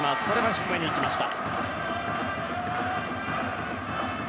低めに行きました。